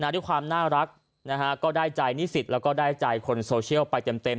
ด้วยความน่ารักก็ได้ใจนิสิตและคนโซเชียลไปเต็ม